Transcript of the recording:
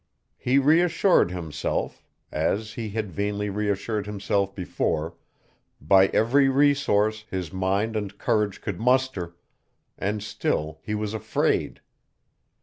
He reassured himself, as he had vainly reassured himself before, by every resource his mind and courage could muster, and still he was afraid.